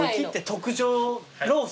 特上ロース。